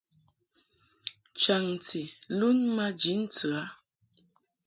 Chaŋti lun maji ntɨ a.